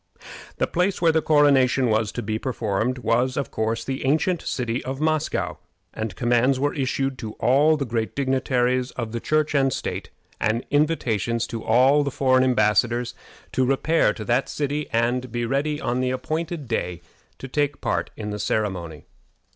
The place where the coronation was to be performed was, of course, the ancient city of Moscow, and commands were issued to all the great dignitaries of Church and state, and invitations to all the foreign embassadors, to repair to that city, and be ready on the appointed day to take part in the ceremony.